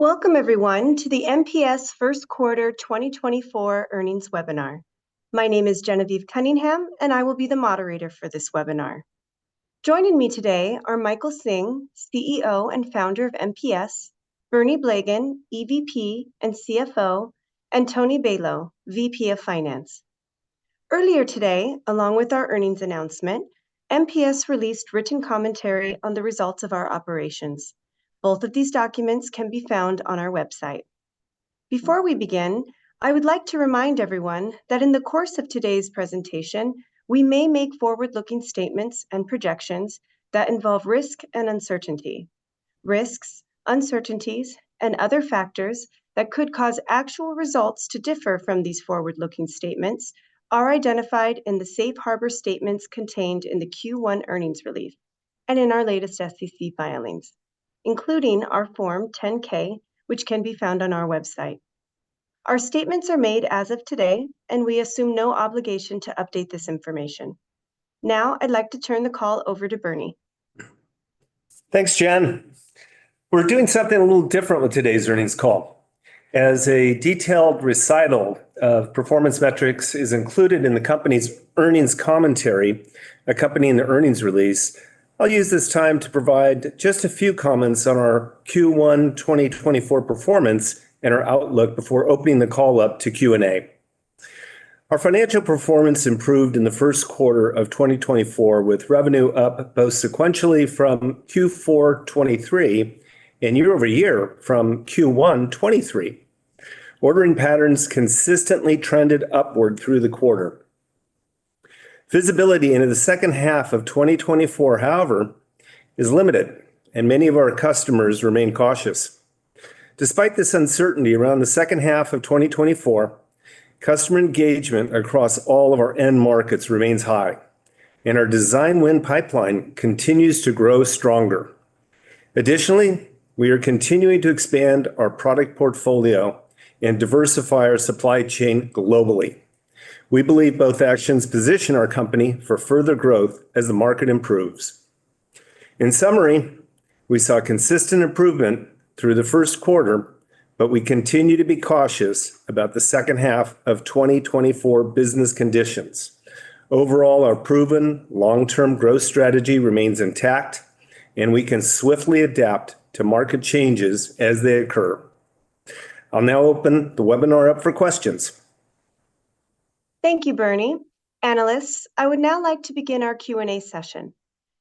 Welcome everyone to the MPS first quarter 2024 earnings webinar. My name is Genevieve Cunningham, and I will be the moderator for this webinar. Joining me today are Michael Hsing, CEO and Founder of MPS; Bernie Blegen, EVP and CFO; and Tony Bernal, VP of Finance. Earlier today, along with our earnings announcement, MPS released written commentary on the results of our operations. Both of these documents can be found on our website. Before we begin, I would like to remind everyone that in the course of today's presentation, we may make forward-looking statements and projections that involve risk and uncertainty. Risks, uncertainties, and other factors that could cause actual results to differ from these forward-looking statements are identified in the safe harbor statements contained in the Q1 earnings release and in our latest SEC filings, including our Form 10-K, which can be found on our website. Our statements are made as of today, and we assume no obligation to update this information. Now, I'd like to turn the call over to Bernie. Thanks, Gen. We're doing something a little different with today's earnings call. As a detailed recital of performance metrics is included in the company's earnings commentary accompanying the earnings release, I'll use this time to provide just a few comments on our Q1 2024 performance and our outlook before opening the call up to Q&A. Our financial performance improved in the first quarter of 2024, with revenue up both sequentially from Q4 2023 and year-over-year from Q1 2023. Ordering patterns consistently trended upward through the quarter. Visibility into the second half of 2024, however, is limited, and many of our customers remain cautious. Despite this uncertainty around the second half of 2024, customer engagement across all of our end markets remains high, and our design win pipeline continues to grow stronger. Additionally, we are continuing to expand our product portfolio and diversify our supply chain globally. We believe both actions position our company for further growth as the market improves. In summary, we saw consistent improvement through the first quarter, but we continue to be cautious about the second half of 2024 business conditions. Overall, our proven long-term growth strategy remains intact, and we can swiftly adapt to market changes as they occur. I'll now open the webinar up for questions. Thank you, Bernie. Analysts, I would now like to begin our Q&A session.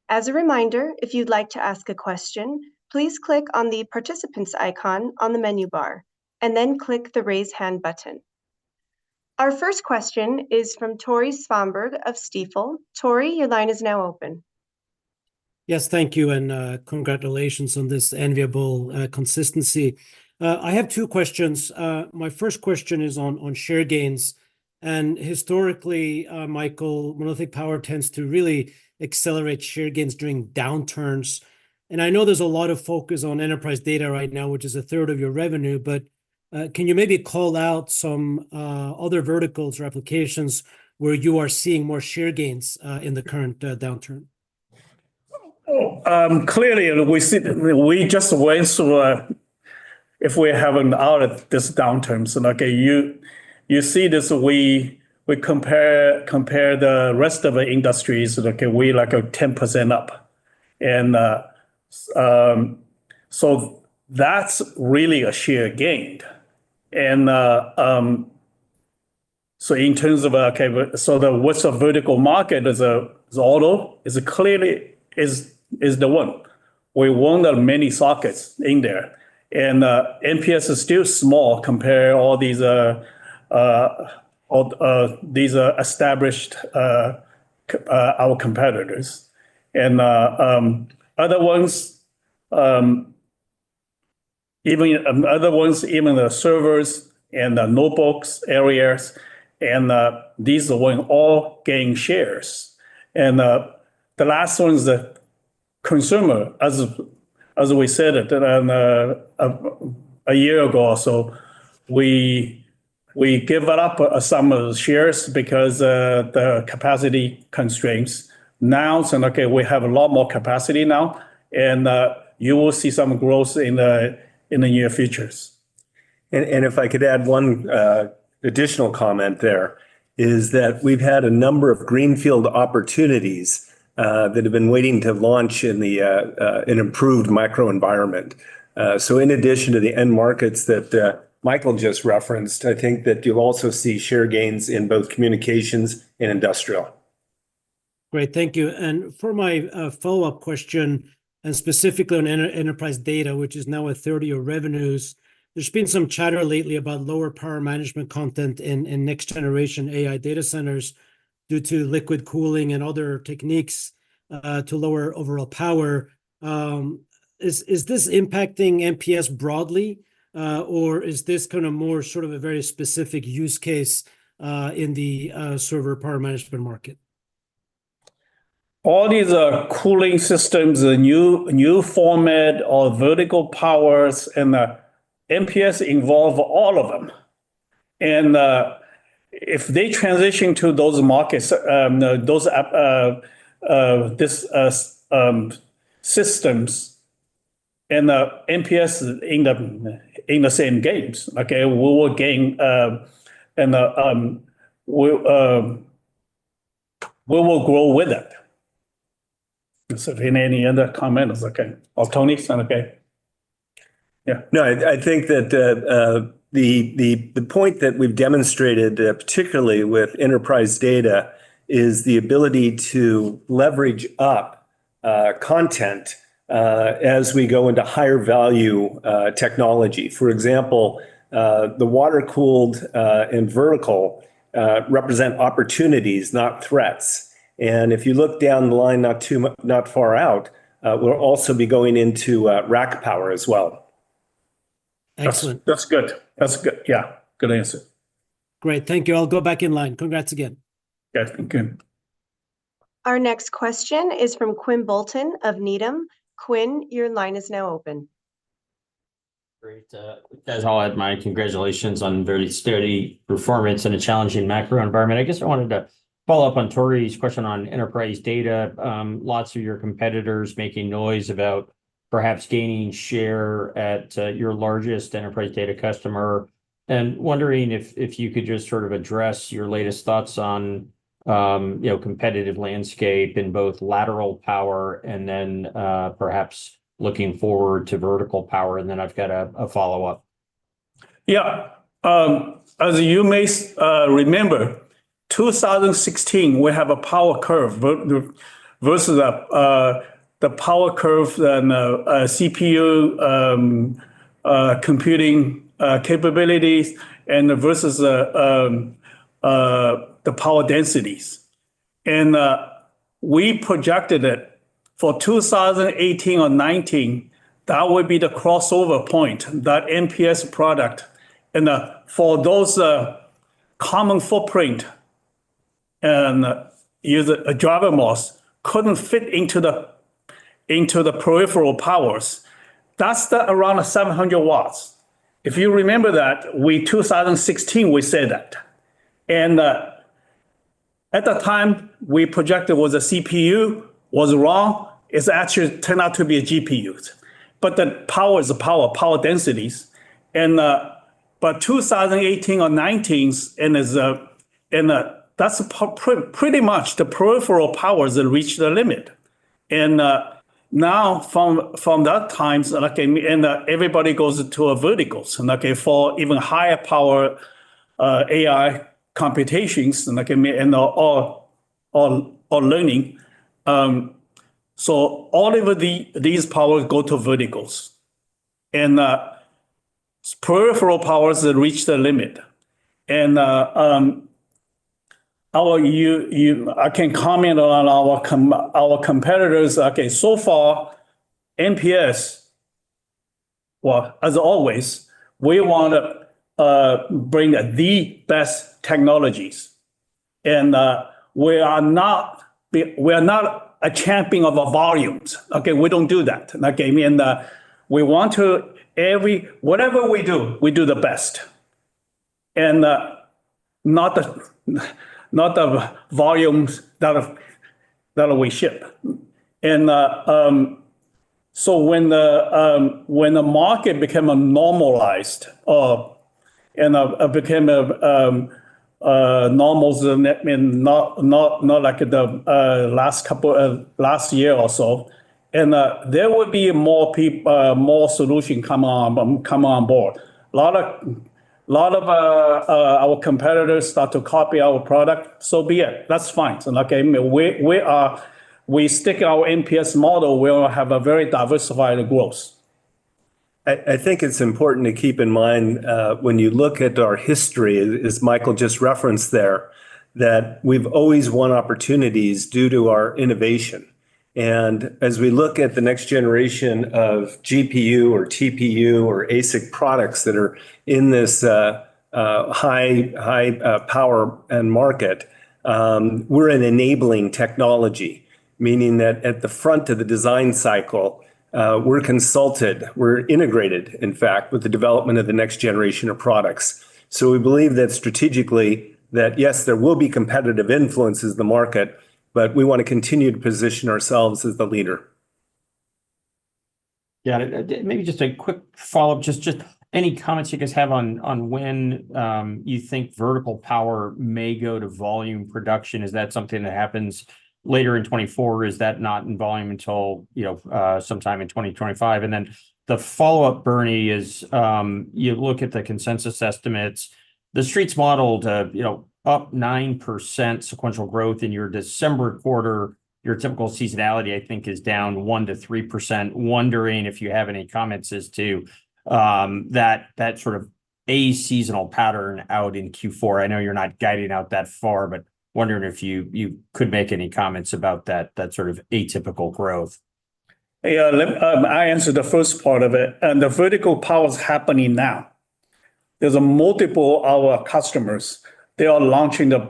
As a reminder, if you'd like to ask a question, please click on the Participants icon on the menu bar, and then click the Raise Hand button. Our first question is from Tore Svanberg of Stifel. Tore, your line is now open. Yes, thank you, and congratulations on this enviable consistency. I have two questions. My first question is on share gains. Historically, Michael, Monolithic Power tends to really accelerate share gains during downturns. I know there's a lot of focus on enterprise data right now, which is a third of your revenue, but can you maybe call out some other verticals or applications where you are seeing more share gains in the current downturn? Oh, clearly, we see. We just went, if we haven't out of this downturn, so okay, you see this, we compare the rest of the industries. Okay, we like a 10% up, and so that's really a share gain. And so in terms of the vertical market is auto, clearly is the one. We won many sockets in there, and MPS is still small compared all these established our competitors. And other ones, even the servers and the notebooks areas, and these are all gain shares. And the last one is the consumer. As we said a year ago or so, we gave up some of the shares because of the capacity constraints. Now, we have a lot more capacity now, and you will see some growth in the near future. If I could add one additional comment there, is that we've had a number of greenfield opportunities that have been waiting to launch in an improved microenvironment. So in addition to the end markets that Michael just referenced, I think that you'll also see share gains in both communications and industrial. Great, thank you. For my follow-up question, and specifically on enterprise data, which is now a third of your revenues, there's been some chatter lately about lower power management content in next generation AI data centers due to liquid cooling and other techniques to lower overall power. Is this impacting MPS broadly, or is this more sort of a very specific use case in the server power management market? All these are cooling systems, a new, new format or vertical power, and MPS involve all of them. And if they transition to those markets, those app, this systems and MPS end up in the same games, okay? We will gain, and we'll, we will grow with it. So if you any other comments, okay. Oh, Tony, it's not okay. Yeah. No, I think that the point that we've demonstrated, particularly with enterprise data, is the ability to leverage up content as we go into higher value technology. For example, the water-cooled and vertical represent opportunities, not threats, and if you look down the line, not far out, we'll also be going into rack power as well. Excellent. That's good. That's good. Yeah, good answer. Great, thank you. I'll go back in line. Congrats again. Yeah, thank you. Our next question is from Quinn Bolton of Needham. Quinn, your line is now open. Great. As I'll add my congratulations on very sturdy performance in a challenging macro environment. I guess I wanted to follow up on Tore's question on enterprise data. Lots of your competitors making noise about perhaps gaining share at your largest enterprise data customer, and wondering if you could just sort of address your latest thoughts on, you know, competitive landscape in both lateral power and then perhaps looking forward to vertical power, and then I've got a follow-up. Yeah. As you may remember, 2016, we have a power curve versus the power curve and CPU computing capabilities and versus the power densities. And we projected it for 2018 or 2019, that would be the crossover point, that MPS product. And for those common footprint and use a DrMOS couldn't fit into the peripheral powers. That's around 700 W. If you remember that, we 2016, we said that. And at the time, we projected was a CPU, was raw, it's actually turned out to be a GPUs. But the power is the power, power densities. But 2018 or 2019, that's pretty much the peripheral powers that reach the limit. Now, from that time, like, everybody goes to verticals, and okay, for even higher power AI computations, like, or learning. So all of these powers go to verticals, and peripheral powers reach the limit. How you. I can't comment on our competitors. Okay, so far, MPS, well, as always, we wanna bring the best technologies, and we are not a champion of volumes. Okay? We don't do that. Okay, and we want to whatever we do, we do the best, and not of volumes that we ship. So when the market became normalized, I mean, not like the last couple years or so, and there would be more solutions come on board. A lot of our competitors start to copy our product. So be it. That's fine. So like, we stick our MPS model, we'll have a very diversified growth. I think it's important to keep in mind when you look at our history, as Michael just referenced there, that we've always won opportunities due to our innovation. As we look at the next generation of GPU or TPU or ASIC products that are in this high power and market, we're an enabling technology, meaning that at the front of the design cycle, we're consulted, we're integrated, in fact, with the development of the next generation of products. We believe that strategically, that yes, there will be competitive influences in the market, but we wanna continue to position ourselves as the leader. Yeah, maybe just a quick follow-up, just any comments you guys have on when you think vertical power may go to volume production. Is that something that happens later in 2024? Is that not in volume until, you know, sometime in 2025? And then the follow-up, Bernie, is you look at the consensus estimates, the Street's modeled, you know, up 9% sequential growth in your December quarter. Your typical seasonality, I think, is down 1%-3%. Wondering if you have any comments as to that sort of a seasonal pattern out in Q4. I know you're not guiding out that far, but wondering if you could make any comments about that sort of atypical growth. Yeah, I answered the first part of it, and the vertical power is happening now. There's multiple of our customers, they are launching the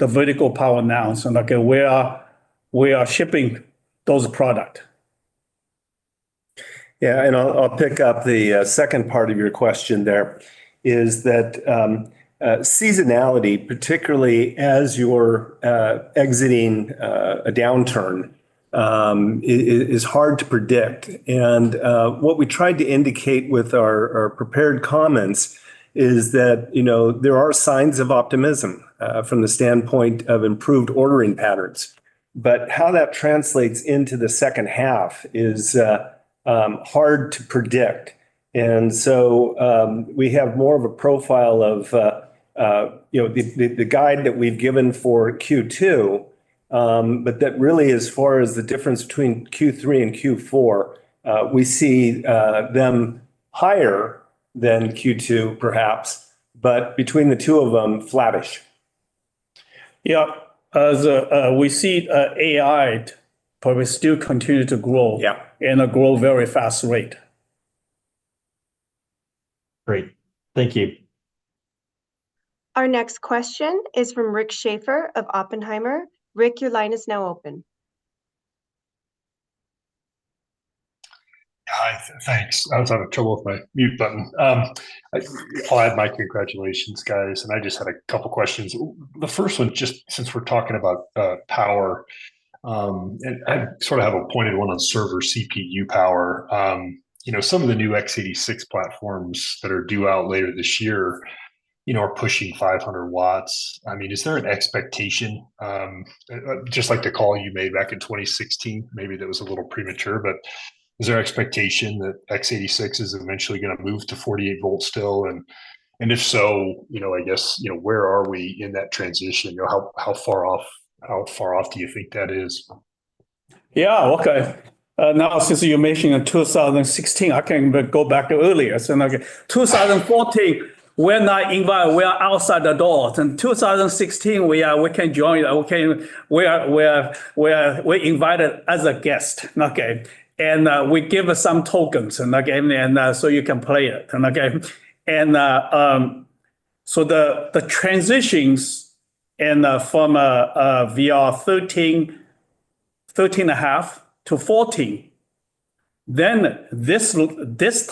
vertical power now. So like we are shipping those products. Yeah, and I'll pick up the second part of your question there, is that seasonality, particularly as you're exiting a downturn, is hard to predict. And what we tried to indicate with our prepared comments is that, you know, there are signs of optimism from the standpoint of improved ordering patterns. But how that translates into the second half is hard to predict. And so we have more of a profile of, you know, the guide that we've given for Q2, but that really as far as the difference between Q3 and Q4, we see them higher than Q2, perhaps, but between the two of them, flattish. Yeah. As we see AI, but we still continue to grow and grow very fast rate. Great. Thank you. Our next question is from Rick Schafer of Oppenheimer. Rick, your line is now open. Hi, thanks. I was having trouble with my mute button. I add my congratulations, guys, and I just had a couple questions. The first one, just since we're talking about power, and I sort of have a pointed one on server CPU power. You know, some of the new x86 platforms that are due out later this year, you know, are pushing 500 W. I mean, is there an expectation, just like the call you made back in 2016, maybe that was a little premature, but is there an expectation that x86 is eventually gonna move to 48 volts still? And if so, you know, I guess, you know, where are we in that transition? You know, how far off do you think that is? Yeah. Okay. Now, since you mentioned in 2016, I can go back to earlier. So like 2014, we're not invited, we are outside the door, and 2016, we can join, okay, we are invited as a guest, okay? And we give some tokens, and okay, and so you can play it, and okay. And so the transitions and from VR13, VR13.5 to VR14, then this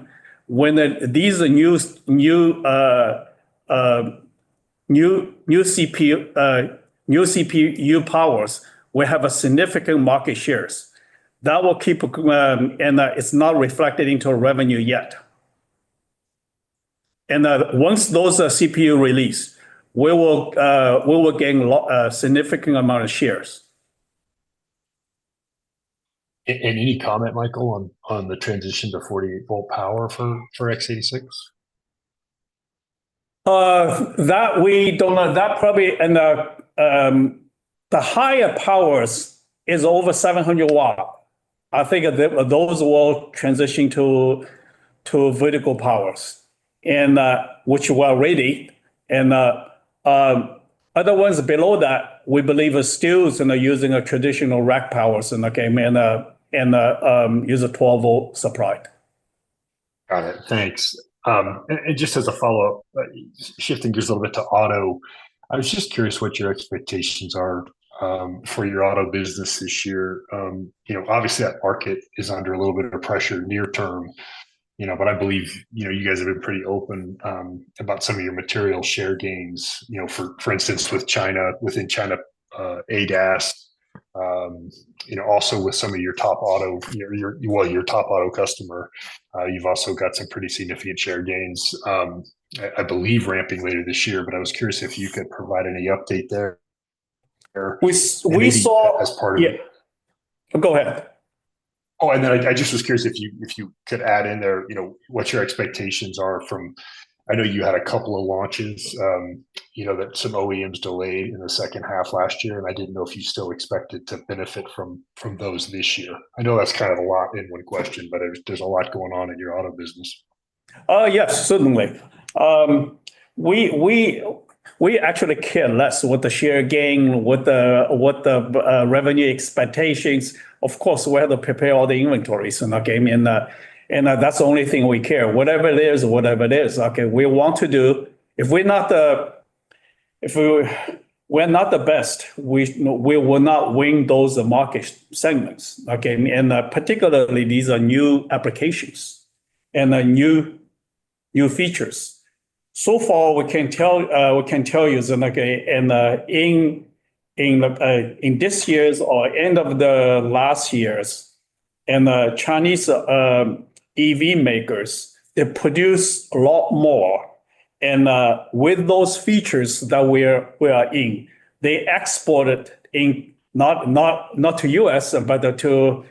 time, when these new CPU powers, we have a significant market shares. That will keep. And it's not reflected into revenue yet. And once those CPUs are released, we will gain a lot, significant amount of shares. Any comment, Michael, on the transition to 48-volt power for x86? That we don't know. That's probably the higher power is over 700 W. I think that those will transition to vertical power, which we are ready. Other ones below that, we believe are still, you know, using a traditional rack power, and use a 12-volt supply. Got it. Thanks. And just as a follow-up, shifting gears a little bit to auto, I was just curious what your expectations are, for your auto business this year. You know, obviously, that market is under a little bit of pressure near term, you know, but I believe, you know, you guys have been pretty open, about some of your material share gains. You know, for instance, with China, within China, ADAS, you know, also with some of your top auto, your, your, well, your top auto customer, you've also got some pretty significant share gains, I believe ramping later this year, but I was curious if you could provide any update there? We saw- As part of it. Yeah. Go ahead. Oh, and I, I just was curious if you, if you could add in there, you know, what your expectations are from... I know you had a couple of launches, you know, that some OEMs delayed in the second half last year, and I didn't know if you still expected to benefit from, from those this year. I know that's kind of a lot in one question, but there's, there's a lot going on in your auto business. Oh, yes, certainly. We actually care less what the share gain, what the revenue expectations. Of course, we have to prepare all the inventories, and okay, and that's the only thing we care. Whatever it is, whatever it is, okay, we want to do. If we're not the best, we will not win those market segments, okay? And, particularly, these are new applications and new features. So far, we can tell, we can tell you, so like, and in this year's or end of the last year's, and the Chinese EV makers, they produce a lot more. And, with those features that we are in, they exported in. not to U.S., but to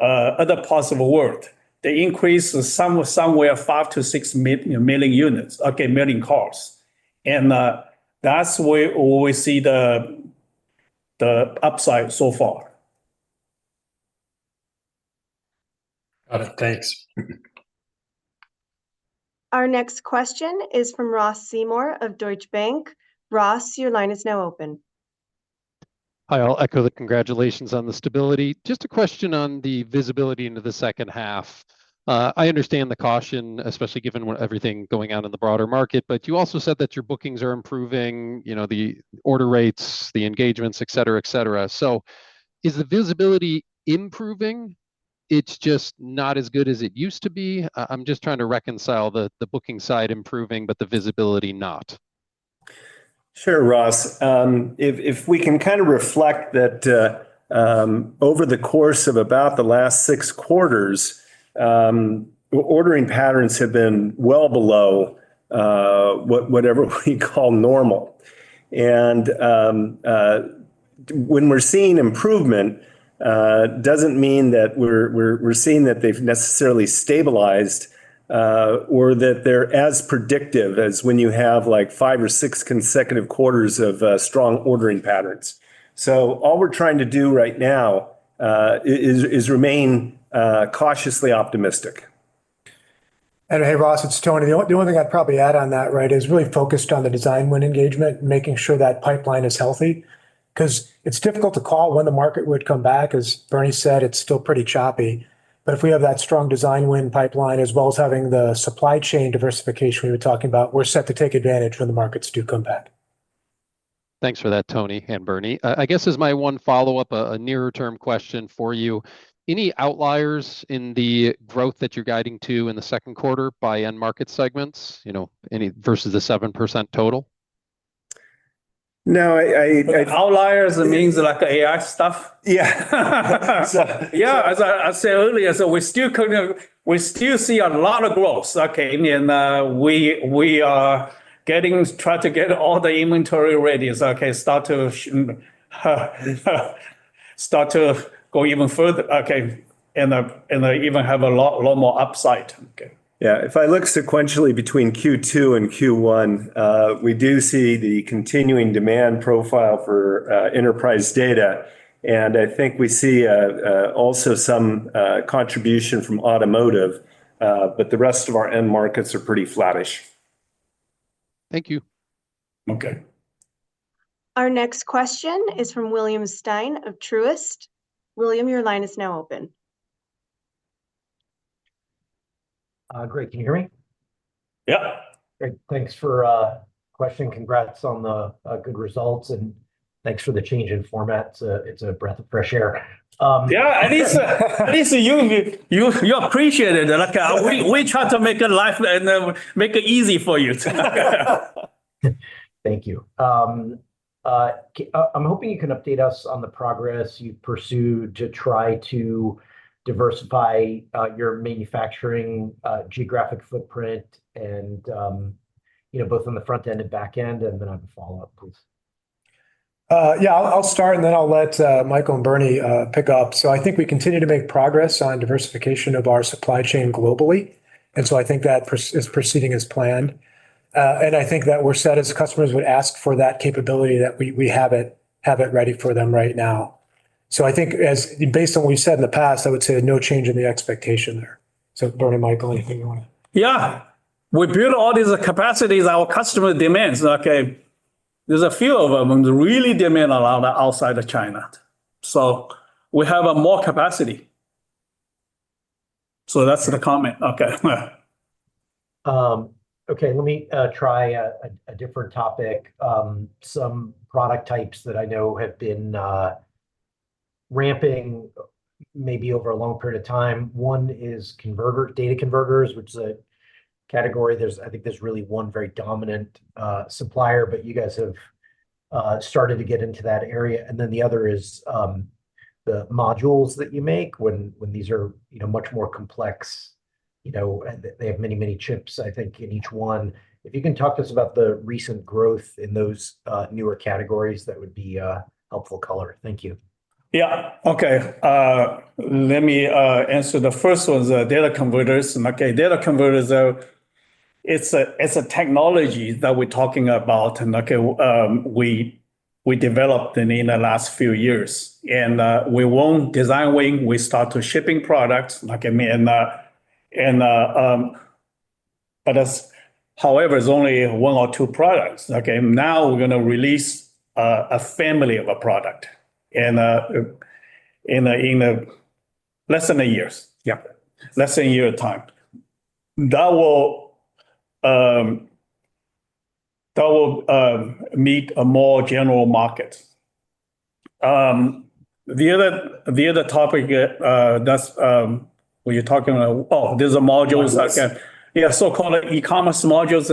other parts of the world. They increased somewhere 5-6 million units, okay, million cars. And that's where we see the upside so far. Got it. Thanks. Our next question is from Ross Seymore of Deutsche Bank. Ross, your line is now open. Hi, I'll echo the congratulations on the stability. Just a question on the visibility into the second half. I understand the caution, especially given what everything going on in the broader market, but you also said that your bookings are improving, you know, the order rates, the engagements, et cetera, et cetera. So is the visibility improving? It's just not as good as it used to be. I'm just trying to reconcile the booking side improving, but the visibility not. Sure, Ross. If we can kind of reflect that over the course of about the last six quarters, ordering patterns have been well below whatever we call normal. And when we're seeing improvement, doesn't mean that we're seeing that they've necessarily stabilized or that they're as predictive as when you have, like, five or six consecutive quarters of strong ordering patterns. So all we're trying to do right now is remain cautiously optimistic. Hey, Ross, it's Tony. The one, the only thing I'd probably add on that, right, is really focused on the design win engagement, making sure that pipeline is healthy, 'cause it's difficult to call when the market would come back. As Bernie said, it's still pretty choppy. But if we have that strong design win pipeline, as well as having the supply chain diversification we were talking about, we're set to take advantage when the markets do come back. Thanks for that, Tony and Bernie. I guess as my one follow-up, a near-term question for you: Any outliers in the growth that you're guiding to in the second quarter by end market segments? You know, any versus the 7% total? No, I. Outliers, it means like AI stuff? Yeah. Yeah, as I said earlier, so we still kind of, we still see a lot of growth, okay? And we are try to get all the inventory ready. Okay, start to start to go even further. Okay, and and even have a lot, lot more upside. Okay. Yeah, if I look sequentially between Q2 and Q1, we do see the continuing demand profile for Enterprise Data, and I think we see also some contribution from automotive, but the rest of our end markets are pretty flattish. Thank you. Okay. Our next question is from William Stein of Truist. William, your line is now open. Great. Can you hear me? Yeah. Great. Thanks for questioning. Congrats on the good results, and thanks for the change in format. It's a breath of fresh air. Yeah, at least you appreciate it. Like, we try to make a life and make it easy for you. Thank you. I'm hoping you can update us on the progress you've pursued to try to diversify your manufacturing geographic footprint and, you know, both on the front end and back end, and then I have a follow-up, please. Yeah, I'll start, and then I'll let Michael and Bernie pick up. So I think we continue to make progress on diversification of our supply chain globally, and so I think that process is proceeding as planned. And I think that we're set, as customers would ask for that capability, that we have it ready for them right now. So I think, based on what you said in the past, I would say no change in the expectation there. So Bernie, Michael, anything you wanna? Yeah. We build all these capacities our customer demands, okay? There's a few of them that really demand a lot outside of China. So we have a more capacity. So that's the comment. Okay. Okay, let me try a different topic. Some product types that I know have been ramping maybe over a long period of time. One is data converters, which is a category. I think there's really one very dominant supplier, but you guys have started to get into that area. And then the other is the modules that you make, when these are, you know, much more complex, you know, and they have many, many chips, I think, in each one. If you can talk to us about the recent growth in those newer categories, that would be helpful color. Thank you. Yeah. Okay. Let me answer the first one is data converters. Okay, data converters, it's a technology that we're talking about, and we developed in the last few years. And we won design win, we start shipping products, like, I mean, however, it's only one or two products, okay? Now we're gonna release a family of a product in less than a year. Yeah. Less than a year time. That will, that will, meet a more general market. The other, the other topic, that's, when you're talking about. Oh, there's a modules. Modules. Yeah, so-called e-commerce modules,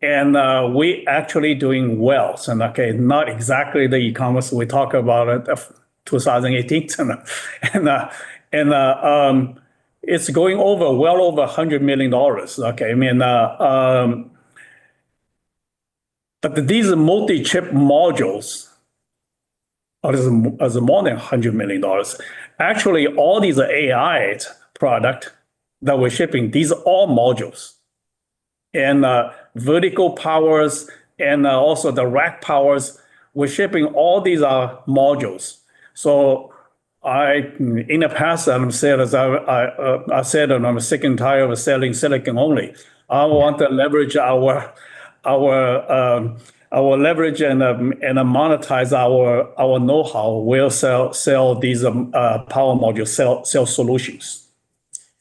and okay, and, we actually doing well. So, okay, not exactly the e-commerce we talk about it of 2018. And it's going over, well over $100 million, okay? I mean, but these are multi-chip modules, are as, as more than $100 million. Actually, all these AI product that we're shipping, these are all modules. And vertical powers and also the rack powers, we're shipping all these are modules. So I, in the past, I said, as I said, and I'm sick and tired of selling silicon only. I want to leverage our, our leverage and monetize our know-how. We'll sell these power modules, sell solutions.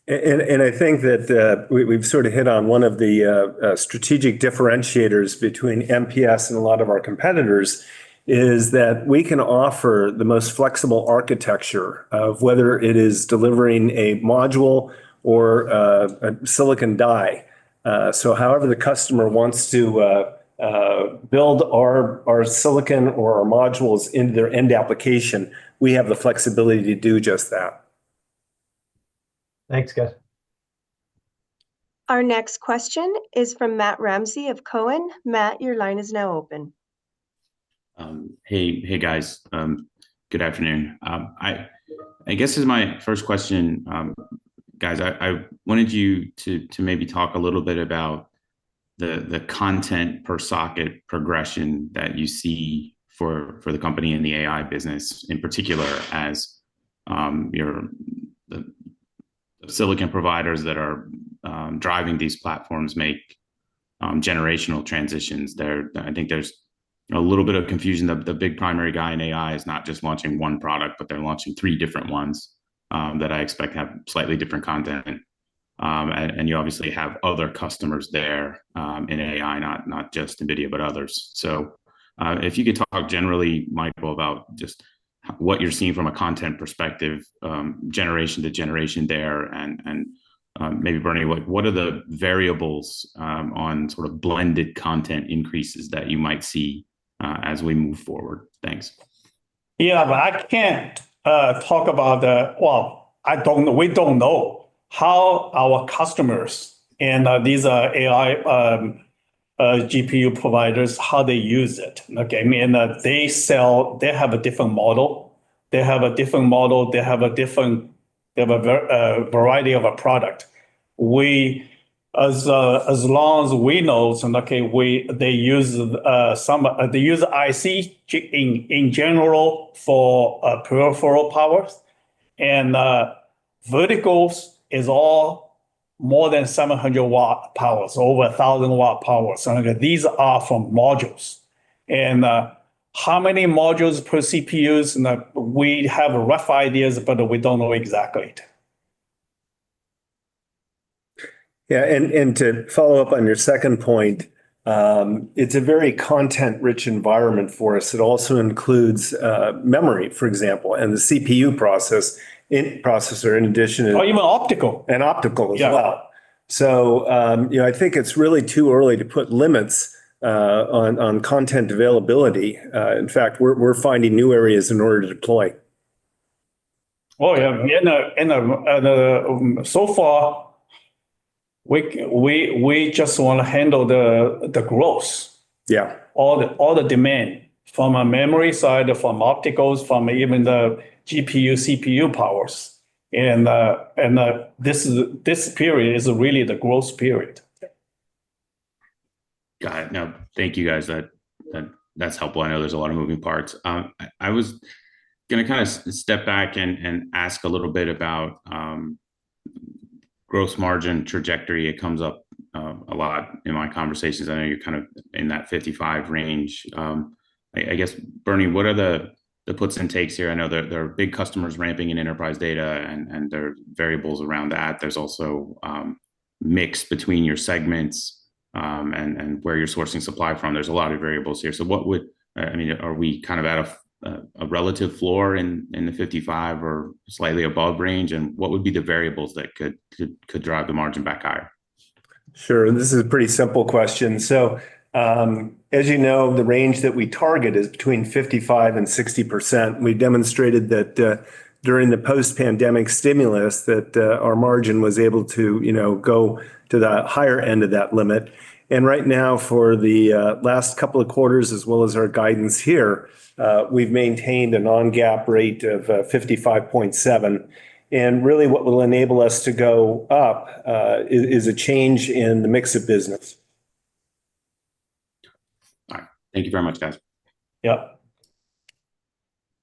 I think that we've sort of hit on one of the strategic differentiators between MPS and a lot of our competitors, is that we can offer the most flexible architecture of whether it is delivering a module or a silicon die. So however the customer wants to build our silicon or our modules in their end application, we have the flexibility to do just that. Thanks, guys. Our next question is from Matt Ramsay of TD Cowen. Matt, your line is now open. Hey. Hey, guys, good afternoon. I guess as my first question, guys, I wanted you to maybe talk a little bit about the content per socket progression that you see for the company in the AI business, in particular, as your, the silicon providers that are driving these platforms make generational transitions. I think there's a little bit of confusion. The big primary guy in AI is not just launching one product, but they're launching three different ones that I expect to have slightly different content. And you obviously have other customers there in AI, not just Nvidia, but others. So, if you could talk generally, Michael, about just what you're seeing from a content perspective, generation to generation there. Maybe Bernie, what are the variables on sort of blended content increases that you might see as we move forward? Thanks. Yeah, but I can't talk about the... Well, I don't know. We don't know how our customers and these AI GPU providers how they use it. Okay, I mean, they sell. They have a different model. They have a different model, they have a different, they have a variety of a product. We, as long as we know, so okay, we. They use some, they use IC chips in general for peripheral power. And vertical power is all more than 700 W powers, over a 1,000 W power. So these are from modules. And how many modules per CPUs? Now, we have rough ideas, but we don't know exactly. Yeah, and, and to follow up on your second point, it's a very content-rich environment for us. It also includes, memory, for example, and the CPU process, in-processor, in addition- Oh, even optical. And optical as well. Yeah. You know, I think it's really too early to put limits on content availability. In fact, we're finding new areas in order to deploy. Oh, yeah, and so far, we just wanna handle the growth. Yeah. All the demand from a memory side, from opticals, from even the GPU, CPU powers. And this is, this period is really the growth period. Got it. Now, thank you, guys. That's helpful. I know there's a lot of moving parts. I was gonna kind of step back and ask a little bit about growth margin trajectory. It comes up a lot in my conversations. I know you're kind of in that 55% range. I guess, Bernie, what are the puts and takes here? I know there are big customers ramping in enterprise data, and there are variables around that. There's also mix between your segments, and where you're sourcing supply from. There's a lot of variables here. So what would. I mean, are we kind of at a relative floor in the 55% or slightly above range, and what would be the variables that could drive the margin back higher? Sure, and this is a pretty simple question. So, as you know, the range that we target is between 55% and 60%. We demonstrated that, during the post-pandemic stimulus, that, our margin was able to, you know, go to that higher end of that limit. And right now, for the, last couple of quarters, as well as our guidance here, we've maintained a non-GAAP rate of, fifty-five point seven. And really, what will enable us to go up, is, is a change in the mix of business. All right. Thank you very much, guys. Yep.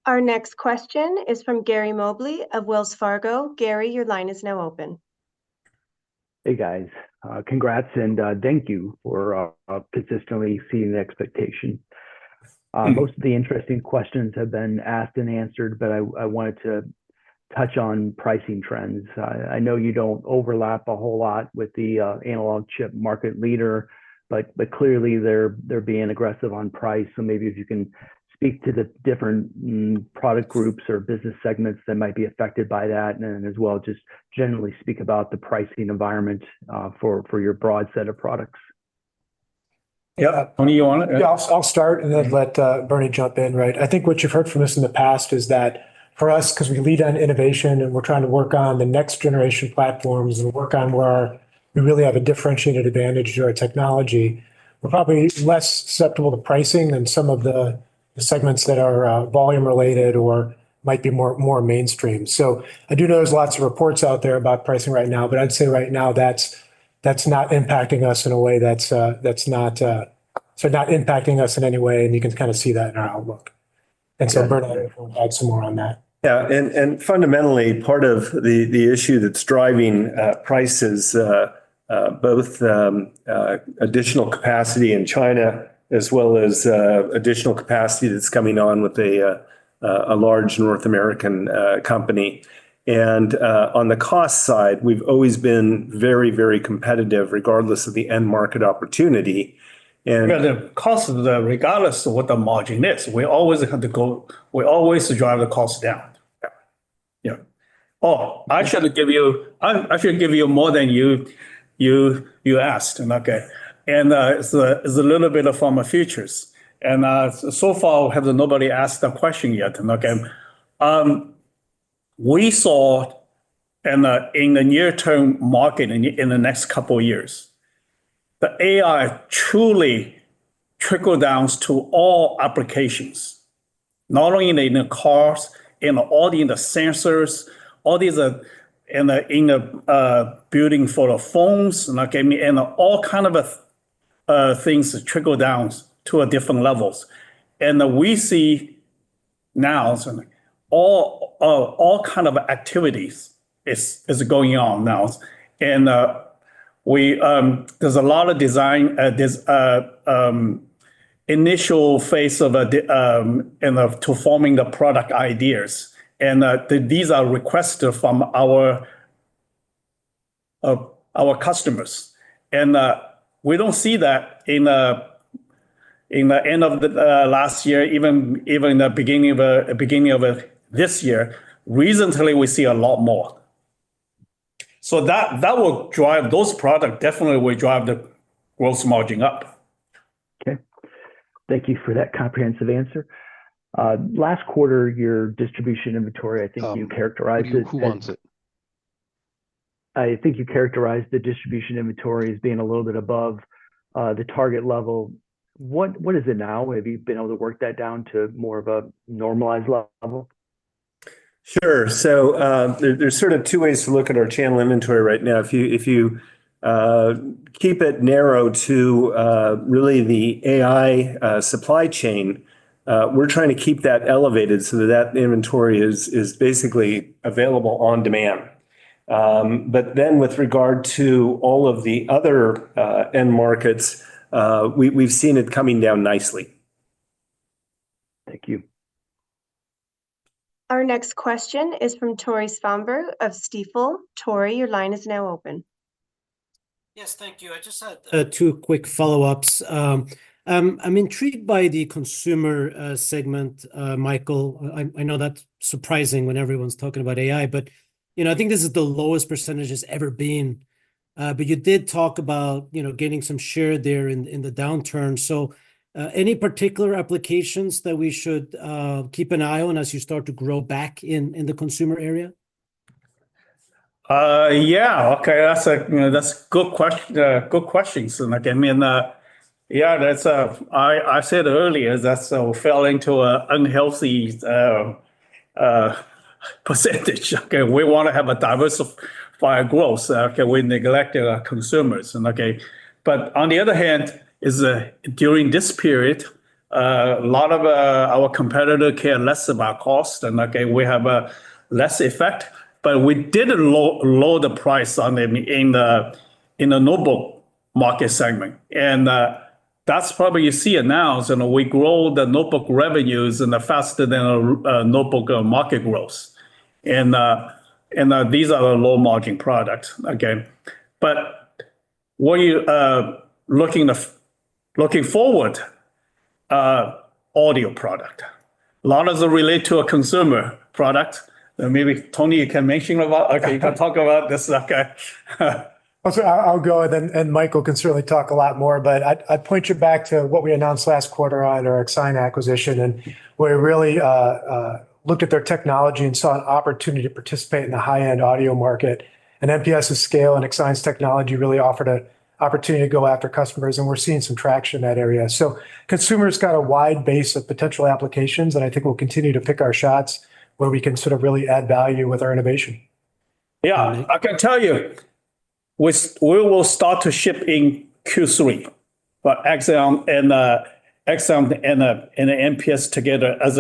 Our next question is from Gary Mobley of Wells Fargo. Gary, your line is now open. Hey, guys, congrats, and thank you for consistently exceeding expectation. Most of the interesting questions have been asked and answered, but I wanted to touch on pricing trends. I know you don't overlap a whole lot with the analog chip market leader, but clearly they're being aggressive on price. So maybe if you can speak to the different product groups or business segments that might be affected by that. And then as well, just generally speak about the pricing environment for your broad set of products. Yeah. Bernie, you want it? Yeah, I'll, I'll start and then let, Bernie jump in, right. I think what you've heard from us in the past is that for us, 'cause we lead on innovation, and we're trying to work on the next generation platforms and work on where we really have a differentiated advantage to our technology, we're probably less susceptible to pricing than some of the, the segments that are, volume-related or might be more, more mainstream. So I do know there's lots of reports out there about pricing right now, but I'd say right now, that's, that's not impacting us in a way that's, that's not, so not impacting us in any way, and you can kinda see that in our outlook. Thanks Bernie, add some more on that. Yeah, and, and fundamentally, part of the, the issue that's driving prices. Both additional capacity in China, as well as additional capacity that's coming on with a large North American company. And on the cost side, we've always been very, very competitive, regardless of the end market opportunity, and. Yeah, the cost of the, regardless of what the margin is, we always have to go, we always drive the cost down. Yeah. Yeah. Oh, I should give you more than you asked, okay? And it's a little bit from our futures, and so far, have nobody asked that question yet, okay? We saw in the near-term market, in the next couple of years, the AI truly trickle downs to all applications, not only in the cars, in all the sensors, all these, in the building for the phones, okay? And all kind of things trickle down to a different levels. And we see now, so all kind of activities is going on now. And we, there's a lot of design initial phase of in the to forming the product ideas, and these are requested from our customers. We don't see that in the end of the last year, even in the beginning of this year. Recently, we see a lot more. So that will drive those products, definitely will drive the growth margin up. Okay. Thank you for that comprehensive answer. Last quarter, your distribution inventory, I think you characterized it. Who wants it? I think you characterized the distribution inventory as being a little bit above the target level. What is it now? Have you been able to work that down to more of a normalized level? Sure. So, there's sort of two ways to look at our channel inventory right now. If you keep it narrow to really the AI supply chain, we're trying to keep that elevated so that that inventory is basically available on demand. But then with regard to all of the other end markets, we've seen it coming down nicely. Thank you. Our next question is from Tore Svanberg of Stifel. Tore, your line is now open. Yes, thank you. I just had two quick follow-ups. I'm intrigued by the consumer segment, Michael. I know that's surprising when everyone's talking about AI, but, you know, I think this is the lowest percentage it's ever been. But you did talk about, you know, gaining some share there in the downturn. So, any particular applications that we should keep an eye on as you start to grow back in the consumer area? Yeah. Okay, that's a, you know, that's a good question, so like, I mean, yeah, that's... I said earlier, that's fell into an unhealthy percentage. Okay, we wanna have a diversified growth. Okay, we neglected our consumers, and okay. But on the other hand, during this period, a lot of our competitor care less about cost, and again, we have a less effect, but we didn't lower the price on them in the notebook market segment. And, that's probably you see it now, and we grow the notebook revenues faster than notebook market growth. And, these are low margin products, again. But when you looking forward, audio product, a lot of the relate to a consumer product. Maybe Tony, you can mention about, okay? You can talk about this, okay? I'll go ahead and Michael can certainly talk a lot more, but I point you back to what we announced last quarter on our Axign acquisition, and we really looked at their technology and saw an opportunity to participate in the high-end audio market. MPS's scale and Axign's technology really offered an opportunity to go after customers, and we're seeing some traction in that area. So consumer's got a wide base of potential applications, and I think we'll continue to pick our shots where we can sort of really add value with our innovation. Yeah. I can tell you, we will start to ship in Q3, but Axign and MPS together as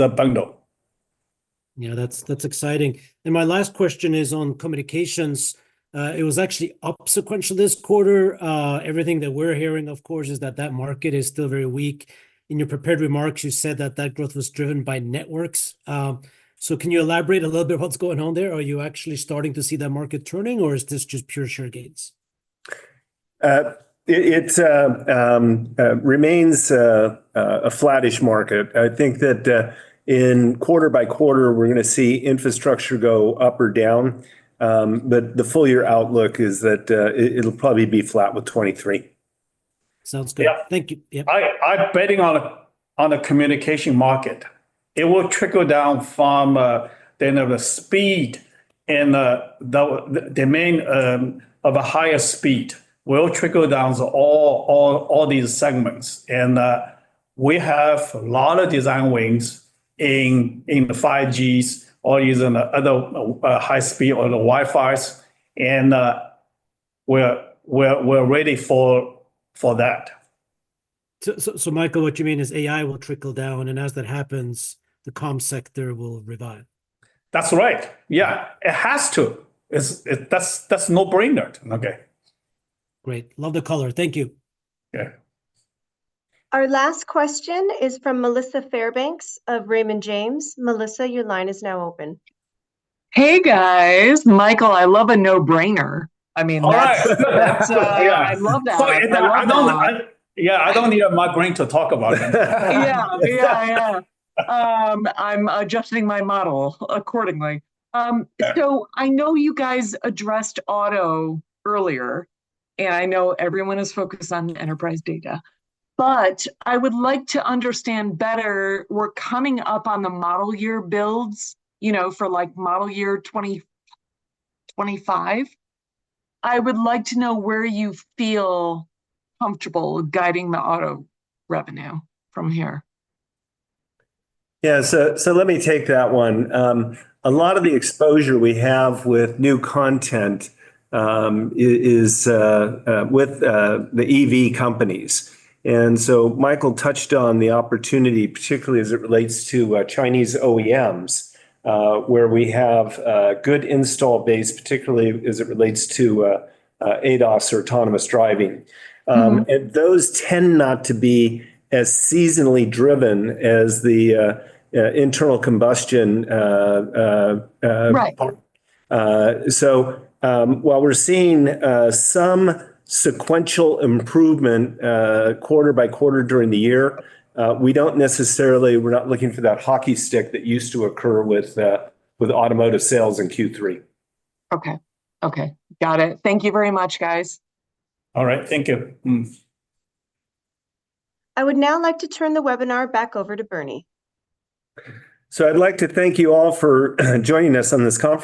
a bundle. Yeah, that's, that's exciting. And my last question is on communications. It was actually up sequential this quarter. Everything that we're hearing, of course, is that that market is still very weak. In your prepared remarks, you said that that growth was driven by networks. So can you elaborate a little bit what's going on there? Are you actually starting to see that market turning, or is this just pure share gains? It remains a flattish market. I think that in quarter by quarter, we're gonna see infrastructure go up or down, but the full year outlook is that it'll probably be flat with 2023. Sounds good. Yeah. Thank you. Yeah. I'm betting on a communication market. It will trickle down from the end of the speed and the demand of a higher speed will trickle down to all these segments. And we have a lot of design wins in the 5Gs or using the other high speed or the Wi-Fis, and we're ready for that. So, Michael, what you mean is AI will trickle down, and as that happens, the comms sector will revive? That's right. Yeah, it has to! It's that's no-brainer to me. Great. Love the color. Thank you. Yeah. Our last question is from Melissa Fairbanks of Raymond James. Melissa, your line is now open. Hey, guys. Michael, I love a no-brainer. I mean, that's. Right. I love that. So, I don't I love that. Yeah, I don't need my brain to talk about that. Yeah. Yeah, yeah. I'm adjusting my model accordingly. Yeah So I know you guys addressed auto earlier, and I know everyone is focused on enterprise data, but I would like to understand better. We're coming up on the model year builds, you know, for, like, model year 2025. I would like to know where you feel comfortable guiding the auto revenue from here. Yeah, so, so let me take that one. A lot of the exposure we have with new content is with the EV companies. And so Michael touched on the opportunity, particularly as it relates to Chinese OEMs, where we have a good install base, particularly as it relates to ADAS or autonomous driving. Mm-hmm. And those tend not to be as seasonally driven as the internal combustion. Right So, while we're seeing some sequential improvement quarter by quarter during the year, we don't necessarily. We're not looking for that hockey stick that used to occur with automotive sales in Q3. Okay. Okay, got it. Thank you very much, guys. All right, thank you. Mm. I would now like to turn the webinar back over to Bernie. I'd like to thank you all for joining us on this conference.